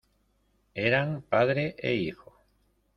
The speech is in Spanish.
eran padre e hijo.